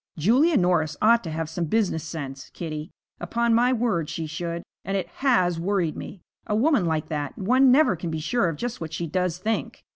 'Julia Norris ought to have some business sense, Kitty; upon my word she should. And it has worried me. A woman like that one never can be sure of just what she does think.